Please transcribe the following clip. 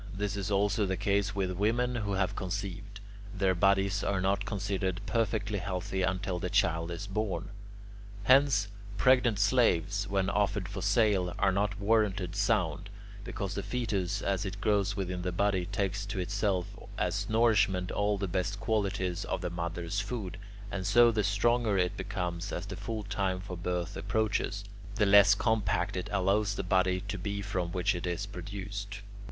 This is also the case with women who have conceived. Their bodies are not considered perfectly healthy until the child is born; hence, pregnant slaves, when offered for sale, are not warranted sound, because the fetus as it grows within the body takes to itself as nourishment all the best qualities of the mother's food, and so the stronger it becomes as the full time for birth approaches, the less compact it allows that body to be from which it is produced.